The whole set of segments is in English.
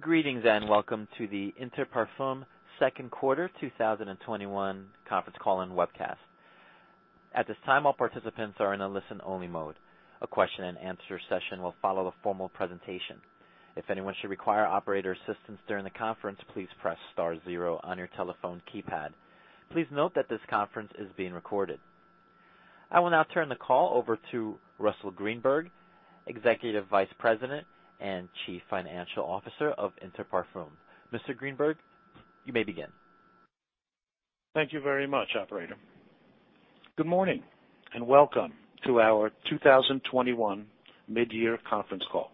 Greetings and welcome to the Inter Parfums second quarter 2021 conference call and webcast. At this time, all participants are in a listen-only mode. A question and answer session will follow the formal presentation. If anyone should require operator assistance during the conference, please press star zero on your telephone keypad. Please note that this conference is being recorded. I will now turn the call over to Russell Greenberg, Executive Vice President and Chief Financial Officer of Inter Parfums. Mr. Greenberg, you may begin. Thank you very much, operator. Good morning and welcome to our 2021 midyear conference call.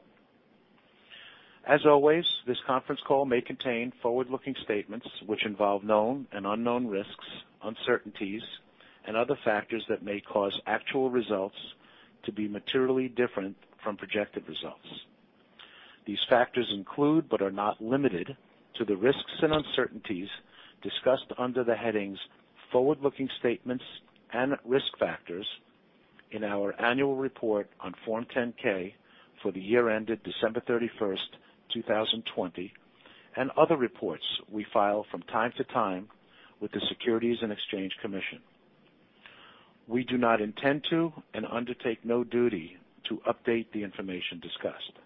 As always, this conference call may contain forward-looking statements which involve known and unknown risks, uncertainties, and other factors that may cause actual results to be materially different from projected results. These factors include, but are not limited to, the risks and uncertainties discussed under the headings Forward Looking Statements and Risk Factors in our annual report on Form 10-K for the year ended December 31st, 2020, and other reports we file from time to time with the Securities and Exchange Commission. We do not intend to and undertake no duty to update the information discussed.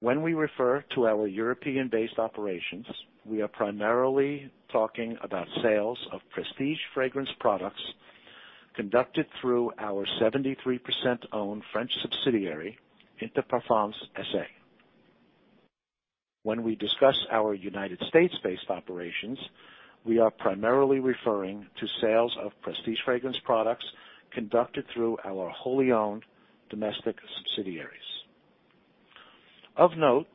When we refer to our European-based operations, we are primarily talking about sales of prestige fragrance products conducted through our 73% owned French subsidiary, Interparfums SA. When we discuss our U.S.-based operations, we are primarily referring to sales of prestige fragrance products conducted through our wholly owned domestic subsidiaries. Of note,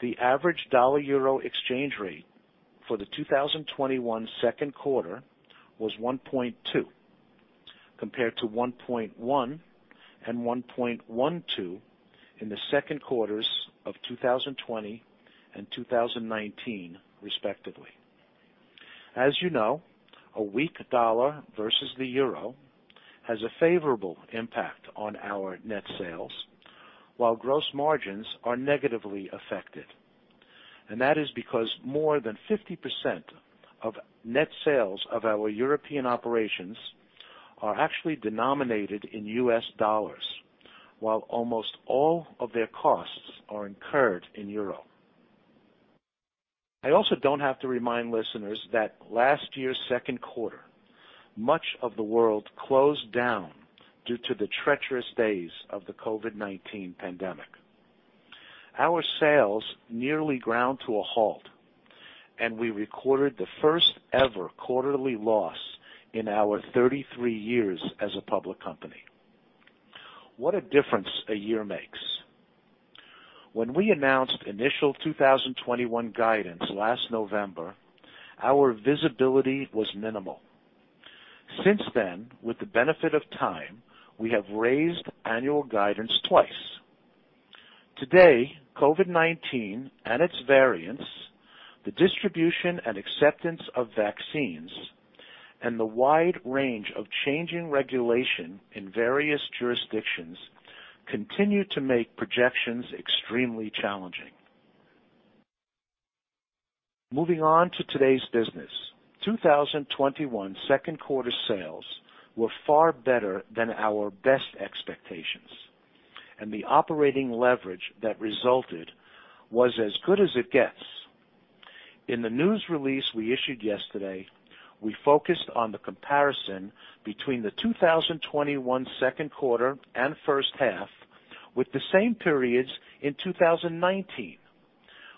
the average dollar-euro exchange rate for the 2021 second quarter was 1.2, compared to 1.1 and 1.12 in the second quarters of 2020 and 2019 respectively. As you know, a weak dollar versus the euro has a favorable impact on our net sales, while gross margins are negatively affected. That is because more than 50% of net sales of our European operations are actually denominated in U.S. dollars, while almost all of their costs are incurred in euro. I also don't have to remind listeners that last year's second quarter, much of the world closed down due to the treacherous days of the COVID-19 pandemic. Our sales nearly ground to a halt, and we recorded the first-ever quarterly loss in our 33 years as a public company. What a difference a year makes. When we announced initial 2021 guidance last November, our visibility was minimal. Since then, with the benefit of time, we have raised annual guidance twice. Today, COVID-19 and its variants, the distribution and acceptance of vaccines, and the wide range of changing regulation in various jurisdictions continue to make projections extremely challenging. Moving on to today's business. 2021 second quarter sales were far better than our best expectations, and the operating leverage that resulted was as good as it gets. In the news release we issued yesterday, we focused on the comparison between the 2021 second quarter and first half with the same periods in 2019.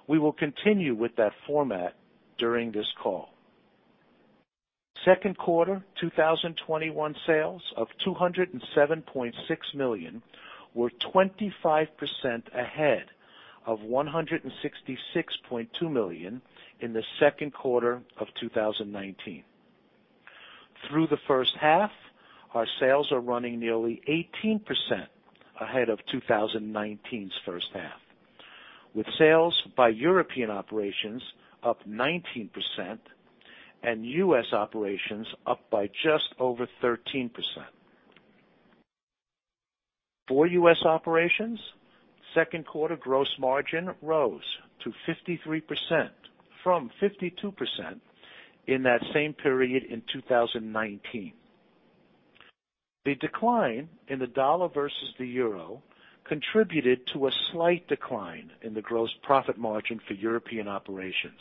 We will continue with that format during this call. Second quarter 2021 sales of $207.6 million were 25% ahead of $166.2 million in the second quarter of 2019. Through the first half, our sales are running nearly 18% ahead of 2019's first half, with sales by European operations up 19% and U.S. operations up by just over 13%. For U.S. operations, second quarter gross margin rose to 53% from 52% in that same period in 2019. The decline in the dollar versus the EUR contributed to a slight decline in the gross profit margin for European operations,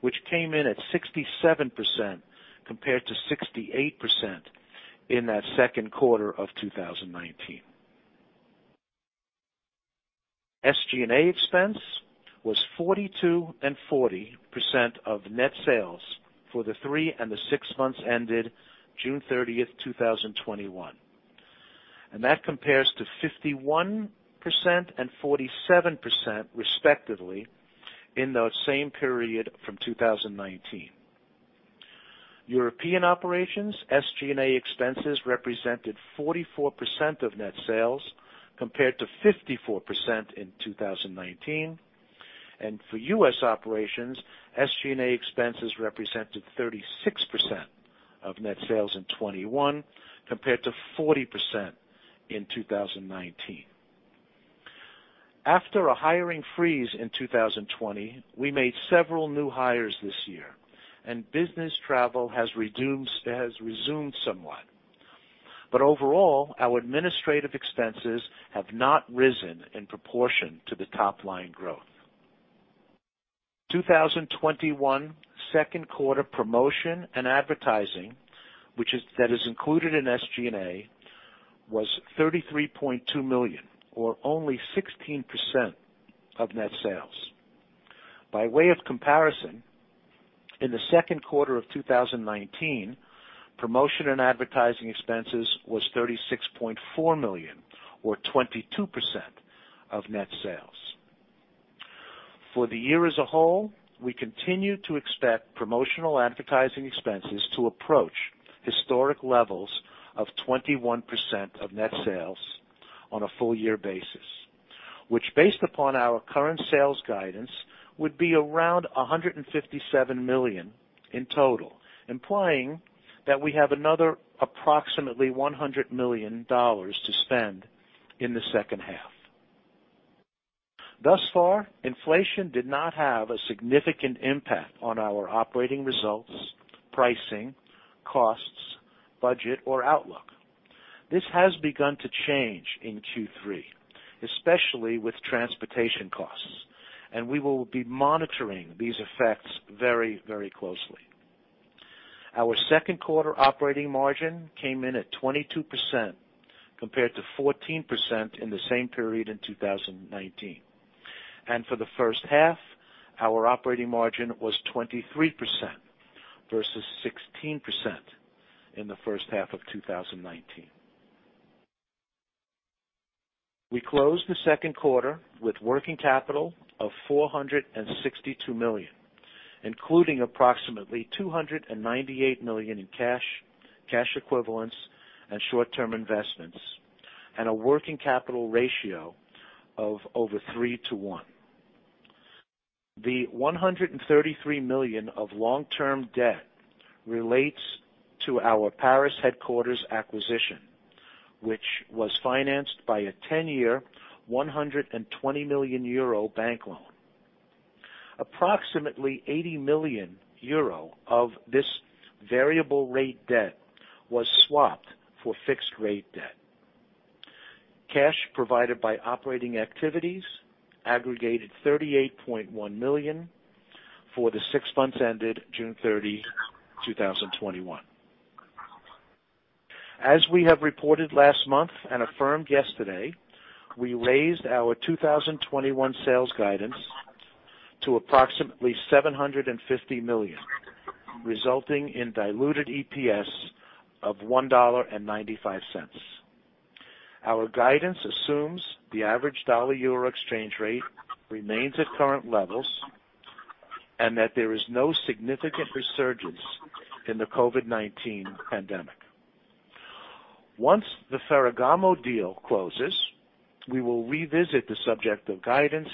which came in at 67% compared to 68% in that second quarter of 2019. SG&A expense was 42% and 40% of net sales for the three and the six months ended June 30, 2021. That compares to 51% and 47%, respectively, in the same period from 2019. European operations SG&A expenses represented 44% of net sales, compared to 54% in 2019. For U.S. operations, SG&A expenses represented 36% of net sales in 2021, compared to 40% in 2019. After a hiring freeze in 2020, we made several new hires this year, and business travel has resumed somewhat. Overall, our administrative expenses have not risen in proportion to the top-line growth. 2021 second quarter promotion and advertising, that is included in SG&A, was $33.2 million, or only 16% of net sales. By way of comparison, in the second quarter of 2019, promotion and advertising expenses was $36.4 million or 22% of net sales. For the year as a whole, we continue to expect promotional advertising expenses to approach historic levels of 21% of net sales on a full year basis, which based upon our current sales guidance, would be around $157 million in total, implying that we have another approximately $100 million to spend in the second half. Thus far, inflation did not have a significant impact on our operating results, pricing, costs, budget, or outlook. This has begun to change in Q3, especially with transportation costs, and we will be monitoring these effects very closely. Our second quarter operating margin came in at 22%, compared to 14% in the same period in 2019. For the first half, our operating margin was 23% versus 16% in the first half of 2019. We closed the second quarter with working capital of $462 million, including approximately $298 million in cash equivalents, and short-term investments, and a working capital ratio of over 3 to 1. The $133 million of long-term debt relates to our Paris headquarters acquisition, which was financed by a 10-year, 120 million euro bank loan. Approximately 80 million euro of this variable rate debt was swapped for fixed rate debt. Cash provided by operating activities aggregated $38.1 million for the six months ended June 30, 2021. As we have reported last month and affirmed yesterday, we raised our 2021 sales guidance to approximately $750 million, resulting in diluted EPS of $1.95. Our guidance assumes the average dollar-EUR exchange rate remains at current levels, and that there is no significant resurgence in the COVID-19 pandemic. Once the Ferragamo deal closes, we will revisit the subject of guidance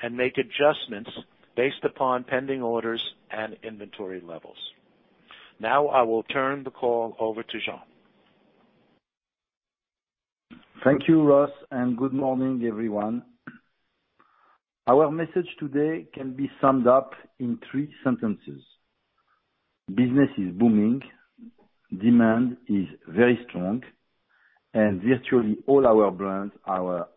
and make adjustments based upon pending orders and inventory levels. Now I will turn the call over to Jean. Thank you, Russ, and good morning, everyone. Our message today can be summed up in three sentences. Business is booming, demand is very strong, and virtually all our brands are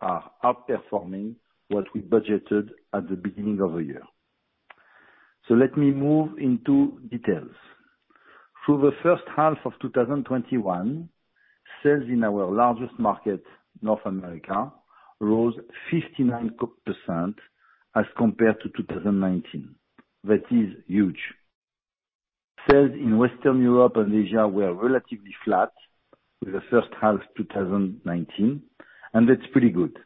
outperforming what we budgeted at the beginning of the year. Let me move into details. Through the first half of 2021, sales in our largest market, North America, rose 59% as compared to 2019. That is huge. Sales in Western Europe and Asia were relatively flat with the first half 2019, and that's pretty good.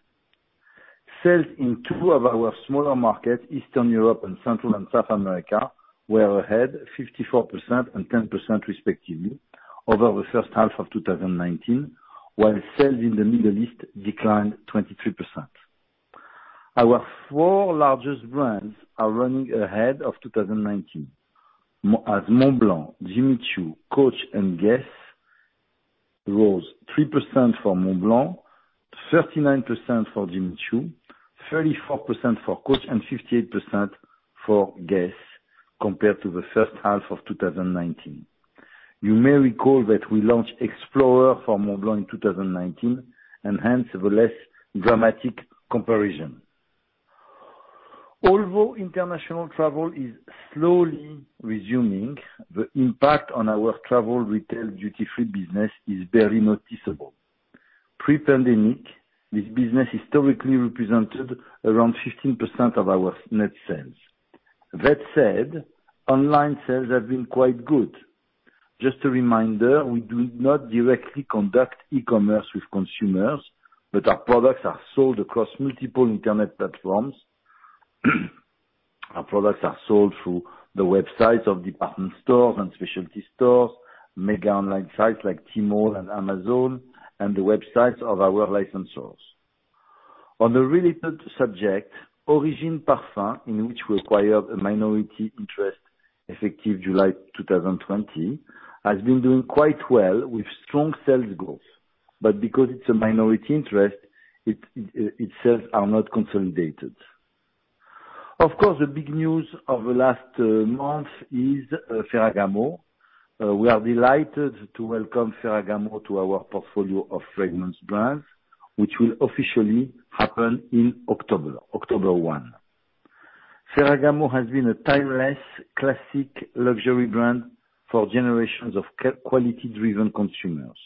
Sales in two of our smaller markets, Eastern Europe and Central and South America, were ahead 54% and 10% respectively over the first half of 2019, while sales in the Middle East declined 23%. Our four largest brands are running ahead of 2019, as Montblanc, Jimmy Choo, Coach, and Guess rose 3% for Montblanc, 39% for Jimmy Choo, 34% for Coach and 58% for Guess compared to the first half of 2019. You may recall that we launched Explorer for Montblanc in 2019, and hence the less dramatic comparison. Although international travel is slowly resuming, the impact on our travel retail duty-free business is barely noticeable. Pre-pandemic, this business historically represented around 15% of our net sales. That said, online sales have been quite good. Just a reminder, we do not directly conduct e-commerce with consumers, but our products are sold across multiple internet platforms. Our products are sold through the websites of department stores and specialty stores, mega online sites like Tmall and Amazon, and the websites of our licensors. On a related subject, Origines-parfums, in which we acquired a minority interest effective July 2020, has been doing quite well with strong sales growth. Because it's a minority interest, its sales are not consolidated. Of course, the big news of the last month is Ferragamo. We are delighted to welcome Ferragamo to our portfolio of fragrance brands, which will officially happen in October 1. Ferragamo has been a timeless, classic luxury brand for generations of quality-driven consumers.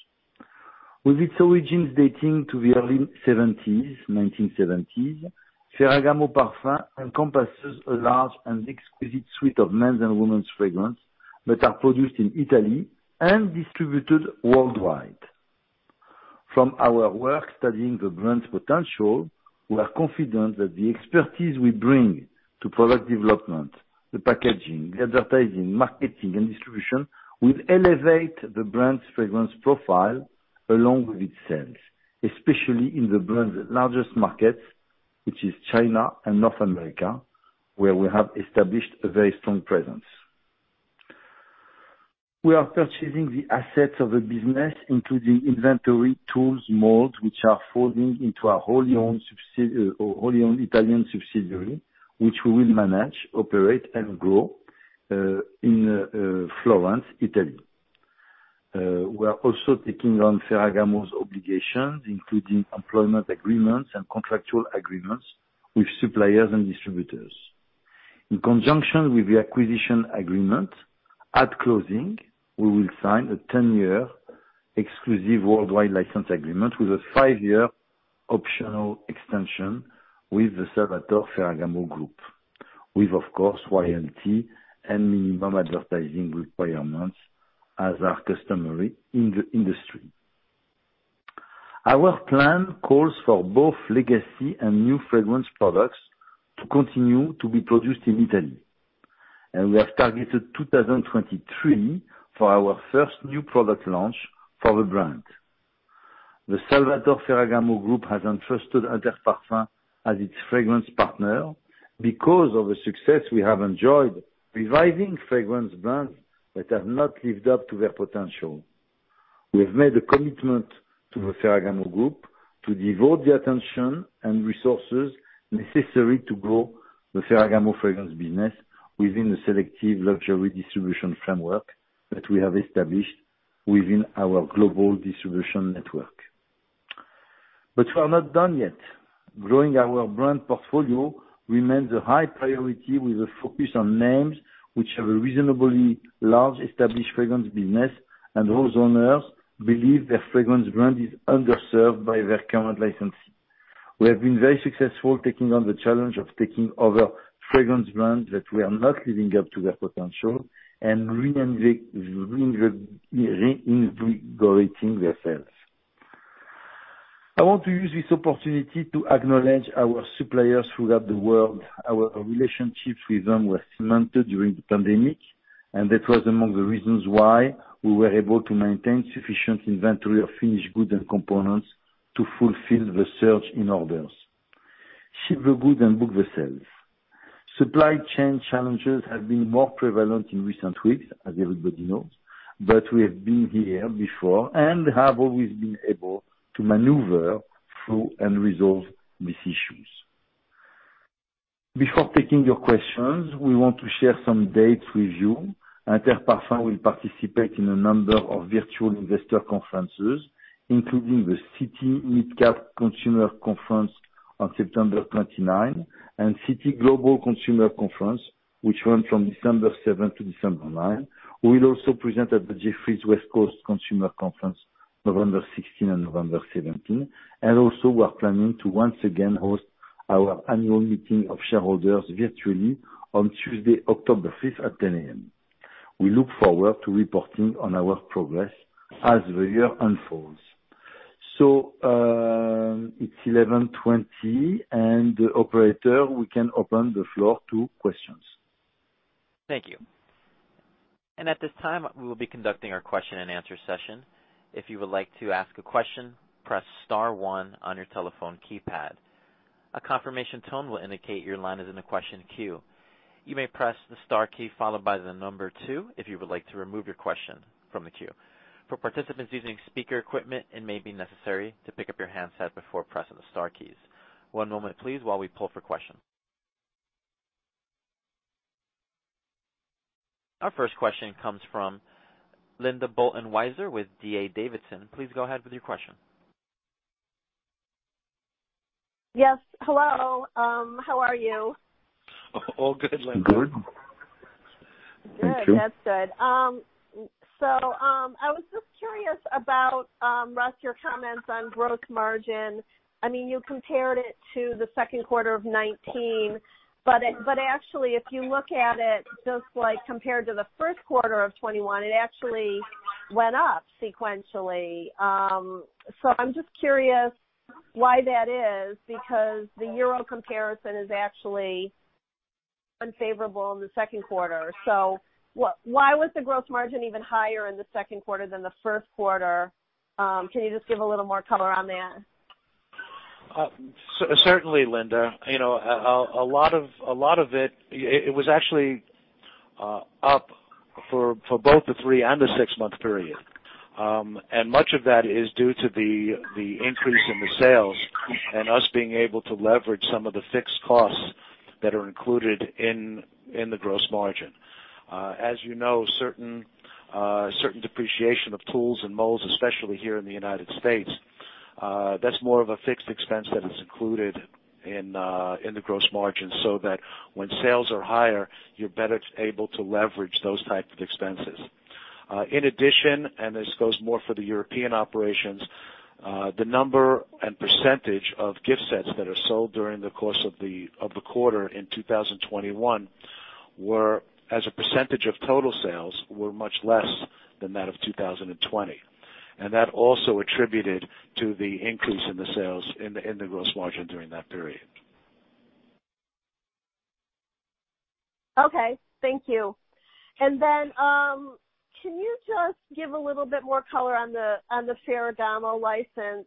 With its origins dating to the early 1970s, Ferragamo Parfums encompasses a large and exquisite suite of men's and women's fragrance that are produced in Italy and distributed worldwide. From our work studying the brand's potential, we are confident that the expertise we bring to product development, the packaging, the advertising, marketing, and distribution, will elevate the brand's fragrance profile along with its sales, especially in the brand's largest markets, which is China and North America, where we have established a very strong presence. We are purchasing the assets of the business, including inventory, tools, molds, which are folding into our wholly owned Italian subsidiary, which we will manage, operate, and grow in Florence, Italy. We are also taking on Ferragamo's obligations, including employment agreements and contractual agreements with suppliers and distributors. In conjunction with the acquisition agreement, at closing, we will sign a 10-year exclusive worldwide license agreement with a five-year optional extension with the Salvatore Ferragamo Group, with, of course, royalty and minimum advertising requirements as are customary in the industry. Our plan calls for both legacy and new fragrance products to continue to be produced in Italy. We have targeted 2023 for our first new product launch for the brand. The Salvatore Ferragamo Group has entrusted Inter Parfums as its fragrance partner because of the success we have enjoyed reviving fragrance brands that have not lived up to their potential. We've made a commitment to the Ferragamo Group to devote the attention and resources necessary to grow the Ferragamo fragrance business within the selective luxury distribution framework that we have established within our global distribution network. We are not done yet. Growing our brand portfolio remains a high priority with a focus on names which have a reasonably large established fragrance business and whose owners believe their fragrance brand is underserved by their current licensee. We have been very successful taking on the challenge of taking over fragrance brands that were not living up to their potential and reinvigorating their sales. I want to use this opportunity to acknowledge our suppliers throughout the world. Our relationships with them were cemented during the pandemic. That was among the reasons why we were able to maintain sufficient inventory of finished goods and components to fulfill the surge in orders. Ship the goods and book the sales. Supply chain challenges have been more prevalent in recent weeks, as everybody knows. We have been here before and have always been able to maneuver through and resolve these issues. Before taking your questions, we want to share some dates with you. Inter Parfums will participate in a number of virtual investor conferences, including the Citi Midcap Consumer Conference on September 29. Citi Global Consumer Conference, which runs from December seventh to December ninth. We'll also present at the Jefferies West Coast Consumer Conference, November 16 and November 17. Also, we're planning to, once again, host our annual meeting of shareholders virtually on Tuesday, October fifth at 10:00 A.M. We look forward to reporting on our progress as the year unfolds. It's 11:20. Operator, we can open the floor to questions. Thank you. At this time, we will be conducting our question and answer session. If you would like to ask a question, press star one on your telephone keypad. A confirmation tone will indicate your line is in the question queue. You may press the star key followed by the number two if you would like to remove your question from the queue. For participants using speaker equipment, it may be necessary to pick up your handset before pressing the star keys. One moment, please, while we pull for questions. Our first question comes from Linda Bolton-Weiser with D.A. Davidson. Please go ahead with your question. Yes. Hello. How are you? All good, Linda. Good. Thank you. Good. That's good. I was just curious about, Russ, your comments on gross margin. You compared it to the second quarter of 2019, but actually, if you look at it just compared to the first quarter of 2021, it actually went up sequentially. I'm just curious, why that is, because the euro comparison is actually unfavorable in the second quarter. Why was the gross margin even higher in the second quarter than the first quarter? Can you just give a little more color on that? Certainly, Linda. A lot of it was actually up for both the three and the six-month period. Much of that is due to the increase in the sales and us being able to leverage some of the fixed costs that are included in the gross margin. As you know, certain depreciation of tools and molds, especially here in the United States, that's more of a fixed expense that is included in the gross margin, so that when sales are higher, you're better able to leverage those types of expenses. In addition, this goes more for the European operations, the number and percentage of gift sets that are sold during the course of the quarter in 2021, as a percentage of total sales, were much less than that of 2020. That also attributed to the increase in the sales in the gross margin during that period. Okay. Thank you. Can you just give a little bit more color on the Ferragamo license,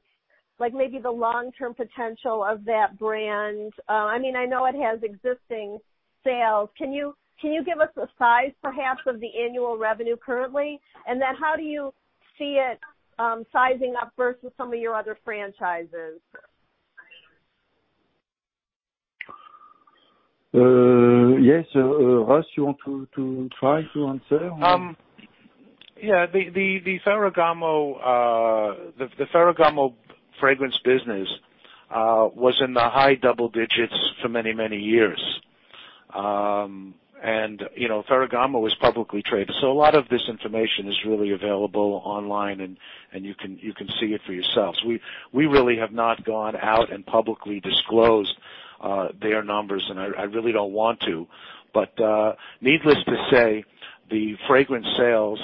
like maybe the long-term potential of that brand? I know it has existing sales. Can you give us a size, perhaps, of the annual revenue currently? How do you see it sizing up versus some of your other franchises? Yes. Russ, you want to try to answer? Yeah. The Ferragamo fragrance business was in the high double digits for many, many years. Ferragamo is publicly traded, so a lot of this information is really available online, and you can see it for yourselves. We really have not gone out and publicly disclosed their numbers, and I really don't want to. Needless to say, the fragrance sales,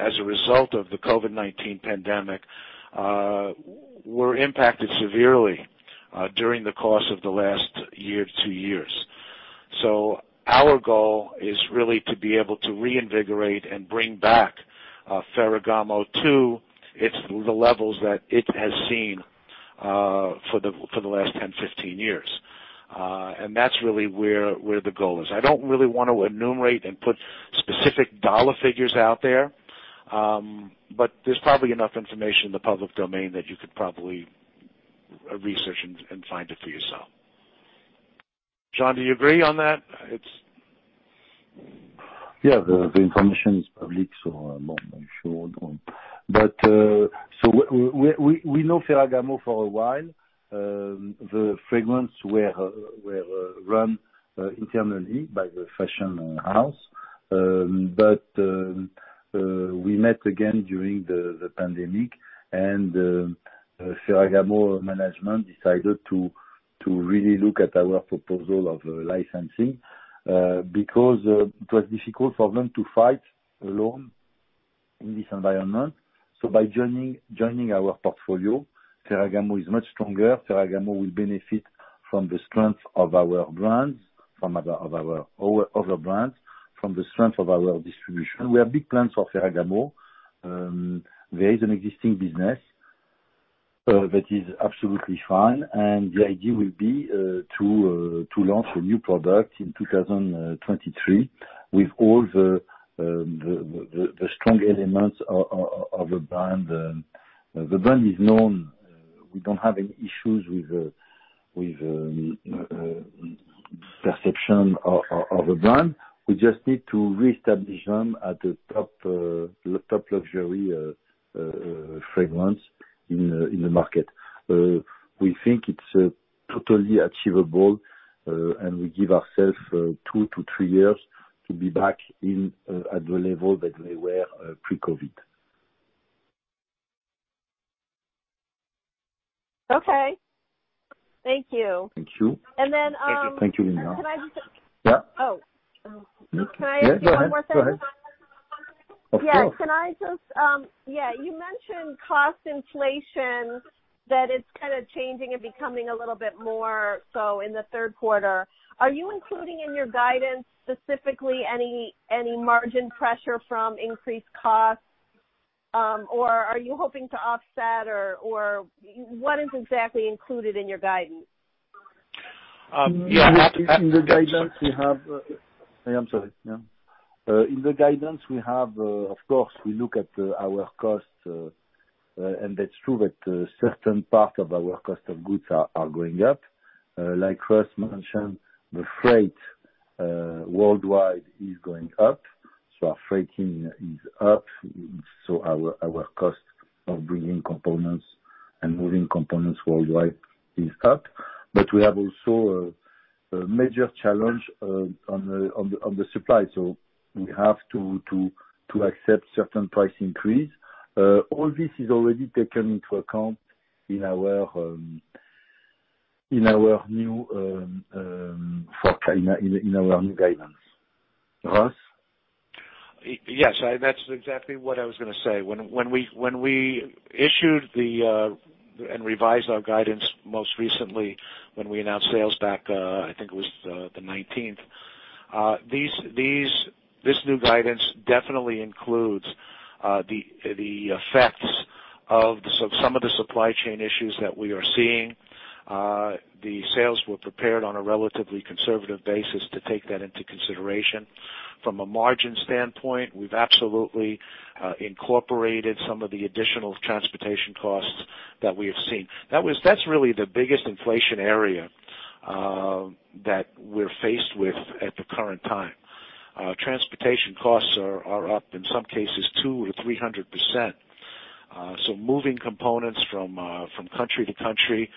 as a result of the COVID-19 pandemic, were impacted severely during the course of the last year to two years. Our goal is really to be able to reinvigorate and bring back Ferragamo to the levels that it has seen for the last 10, 15 years. That's really where the goal is. I don't really want to enumerate and put specific dollar figures out there, but there's probably enough information in the public domain that you could probably research and find it for yourself. Jean, do you agree on that? Yeah, the information is public. I'm sure. We know Ferragamo for a while. The fragrance were run internally by the fashion house. We met again during the pandemic, Ferragamo management decided to really look at our proposal of licensing, because it was difficult for them to fight alone in this environment. By joining our portfolio, Ferragamo is much stronger. Ferragamo will benefit from the strength of our other brands, from the strength of our distribution. We have big plans for Ferragamo. There is an existing business that is absolutely fine, the idea will be to launch a new product in 2023 with all the strong elements of a brand. The brand is known. We don't have any issues with perception of a brand. We just need to reestablish them at the top luxury fragrance in the market. We think it's totally achievable, we give ourself two to three years to be back at the level that we were pre-COVID. Okay. Thank you. Thank you. And then. Thank you, Linda. Can I just. Yeah. Oh. Okay. Can I ask one more thing? Go ahead. Of course. Yeah. You mentioned cost inflation, that it's kind of changing and becoming a little bit more so in the third quarter. Are you including in your guidance specifically any margin pressure from increased costs? Are you hoping to offset, or what is exactly included in your guidance? Yeah. In the guidance we have I am sorry. In the guidance we have, of course, we look at our costs, and that's true that a certain part of our cost of goods are going up. Like Russ mentioned, the freight worldwide is going up, our freighting is up. Our cost of bringing components and moving components worldwide is up. We have also a major challenge on the supply. We have to accept certain price increase. All this is already taken into account in our new guidance. Russ? Yes, that's exactly what I was going to say. When we issued and revised our guidance most recently when we announced sales back, I think it was the 19th, this new guidance definitely includes the effects of some of the supply chain issues that we are seeing. The sales were prepared on a relatively conservative basis to take that into consideration. From a margin standpoint, we've absolutely incorporated some of the additional transportation costs that we have seen. That's really the biggest inflation area that we're faced with at the current time. Transportation costs are up, in some cases, 200%-300%. Moving components from country to country,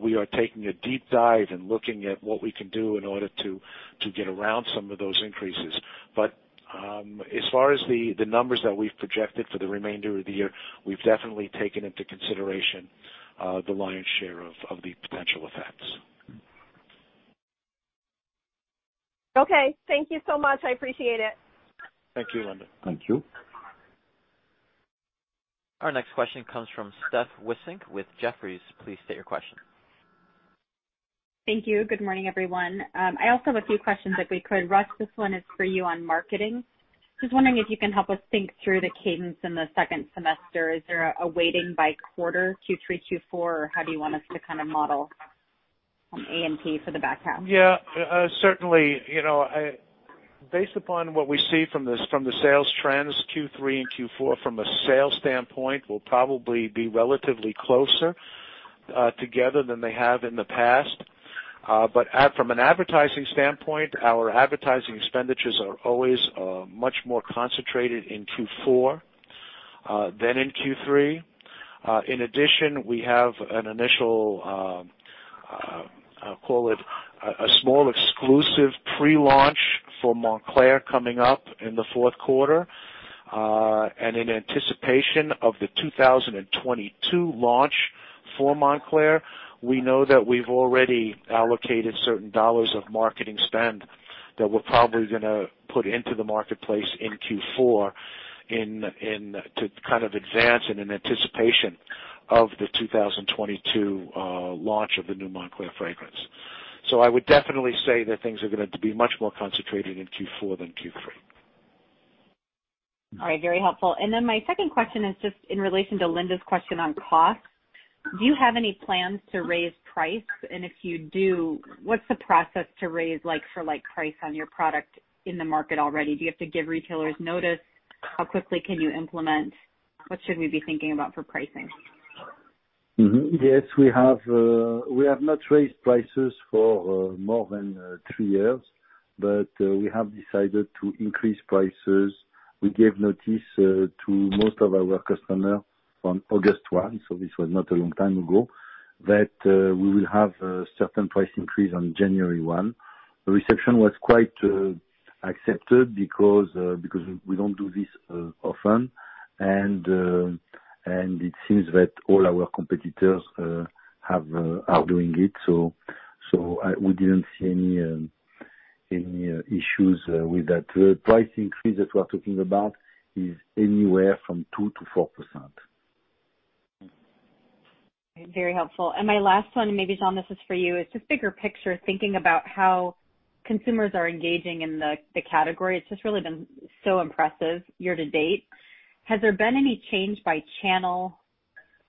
we are taking a deep dive and looking at what we can do in order to get around some of those increases. As far as the numbers that we've projected for the remainder of the year, we've definitely taken into consideration the lion's share of the potential effects. Okay. Thank you so much. I appreciate it. Thank you, Linda. Thank you. Our next question comes from Steph Wissink with Jefferies. Please state your question. Thank you. Good morning, everyone. I also have a few questions if we could. Russ, this one is for you on marketing. Just wondering if you can help us think through the cadence in the second semester. Is there a waiting by quarter two, three, two, four, or how do you want us to kind of model on A&P for the back half? Yeah. Certainly. Based upon what we see from the sales trends, Q3 and Q4 from a sales standpoint will probably be relatively closer together than they have in the past. From an advertising standpoint, our advertising expenditures are always much more concentrated in Q4 than in Q3. In addition, we have an initial, call it, a small exclusive pre-launch for Moncler coming up in the fourth quarter, and in anticipation of the 2022 launch for Moncler, we know that we've already allocated certain dollars of marketing spend that we're probably going to put into the marketplace in Q4 to kind of advance in an anticipation of the 2022 launch of the new Moncler fragrance. I would definitely say that things are going to be much more concentrated in Q4 than Q3. All right. Very helpful. My second question is just in relation to Linda's question on cost. Do you have any plans to raise price? If you do, what's the process to raise the price on your product in the market already? Do you have to give retailers notice? How quickly can you implement? What should we be thinking about for pricing? Yes, we have not raised prices for more than three years, but we have decided to increase prices. We gave notice to most of our customers on August 1, so this was not a long time ago, that we will have a certain price increase on January 1. The reception was quite accepted because we don't do this often, and it seems that all our competitors are doing it, so we didn't see any issues with that. The price increase that we're talking about is anywhere from 2%-4%. Very helpful. My last one, and maybe, Jean, this is for you, is just bigger picture, thinking about how consumers are engaging in the category. It's just really been so impressive year to date. Has there been any change by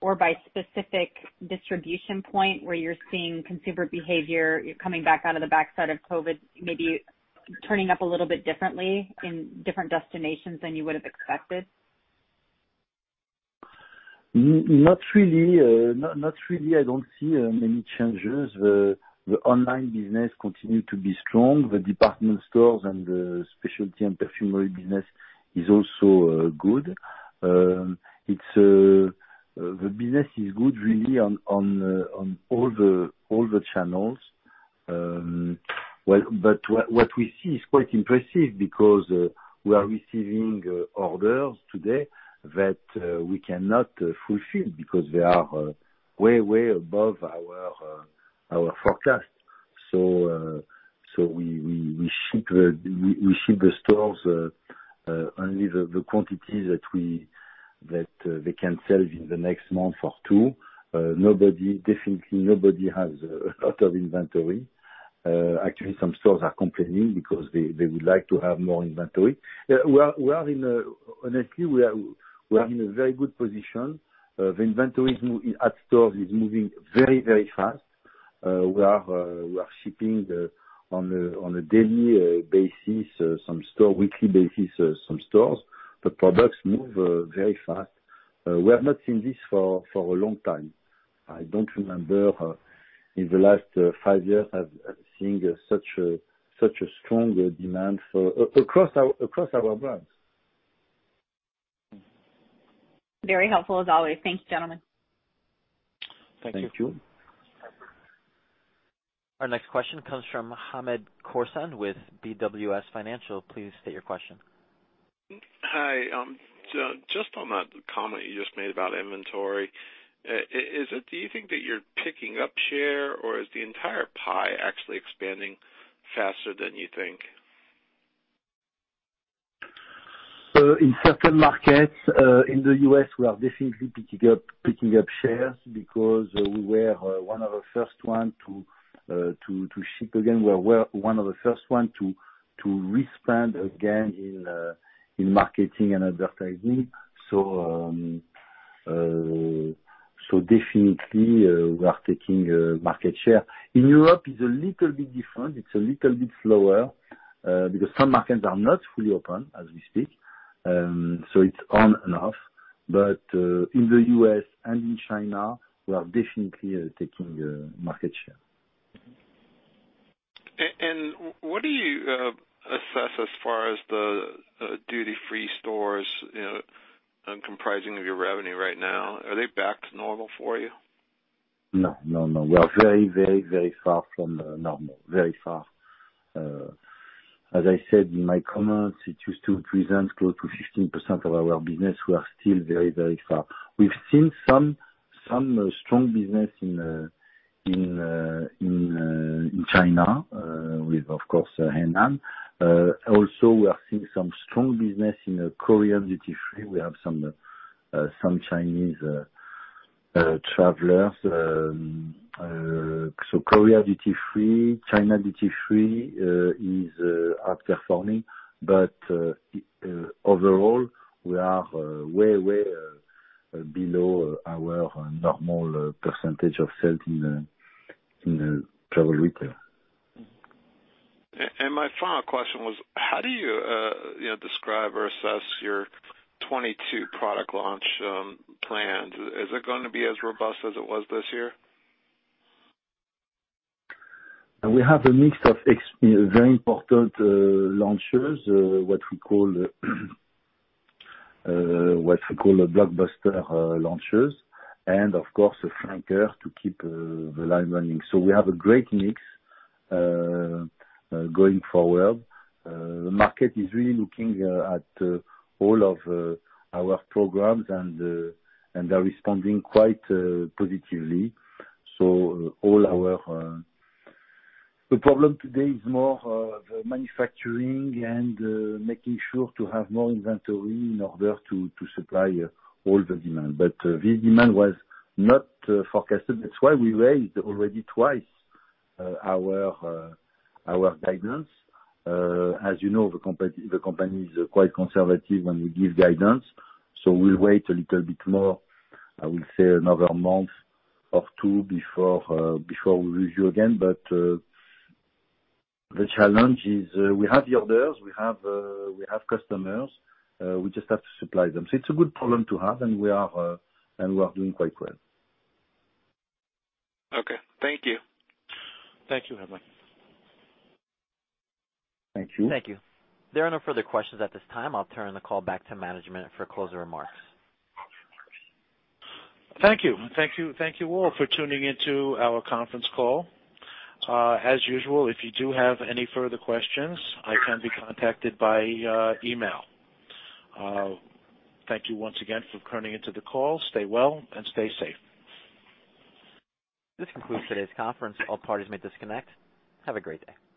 channel or by specific distribution point where you're seeing consumer behavior coming back out of the backside of COVID, maybe turning up a little bit differently in different destinations than you would have expected? Not really. I don't see many changes. The online business continue to be strong. The department stores and the specialty and perfumery business is also good. The business is good really on all the channels. What we see is quite impressive because we are receiving orders today that we cannot fulfill because they are way above our forecast. We ship the stores only the quantity that they can sell in the next month or two. Definitely nobody has a lot of inventory. Actually, some stores are complaining because they would like to have more inventory. Honestly, we are in a very good position. The inventory at stores is moving very fast. We are shipping on a daily basis, some store weekly basis, some stores. The products move very fast. We have not seen this for a long time. I don't remember in the last five years, I've seen such a strong demand across our brands. Very helpful as always. Thank you, gentlemen. Thank you. Thank you. Our next question comes from Hamed Khorsand with BWS Financial. Please state your question. Hi. Just on that comment you just made about inventory. Do you think that you're picking up share or is the entire pie actually expanding faster than you think? In certain markets, in the U.S., we are definitely picking up shares because we were one of the first ones to ship again. We were one of the first ones to re-spend again in marketing and advertising. Definitely, we are taking market share. In Europe, it's a little bit different. It's a little bit slower, because some markets are not fully open as we speak. It's on and off. In the U.S. and in China, we are definitely taking market share. What do you assess as far as the duty-free stores comprising of your revenue right now? Are they back to normal for you? No. We are very far from normal. Very far. As I said in my comments, it used to present close to 15% of our business. We are still very far. We've seen some strong business in China, with, of course, Hainan. Also, we are seeing some strong business in Korean duty free. We have some Chinese travelers. Korea duty free, China duty free is outperforming. Overall, we are way below our normal percentage of sales in travel retail. My final question was, how do you describe or assess your 2022 product launch plans? Is it going to be as robust as it was this year? We have a mix of very important launches, what we call the blockbuster launches, and of course, a flanker to keep the line running. We have a great mix going forward. The market is really looking at all of our programs, and they're responding quite positively. The problem today is more of manufacturing and making sure to have more inventory in order to supply all the demand. This demand was not forecasted. That's why we raised already twice our guidance. As you know, the company is quite conservative when we give guidance, we'll wait a little bit more, I will say another month or two before we review again. The challenge is, we have the orders, we have customers. We just have to supply them. It's a good problem to have, and we are doing quite well. Okay. Thank you. Thank you, Emily. Thank you. Thank you. There are no further questions at this time. I'll turn the call back to management for closing remarks. Thank you. Thank you all for tuning in to our conference call. As usual, if you do have any further questions, I can be contacted by email. Thank you once again for turning into the call. Stay well and stay safe. This concludes today's conference. All parties may disconnect. Have a great day.